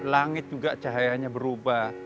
langit juga cahayanya berubah